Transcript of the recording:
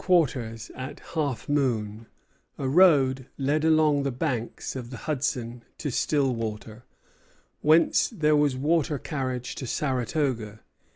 From Winslow's headquarters at Half Moon a road led along the banks of the Hudson to Stillwater, whence there was water carriage to Saratoga.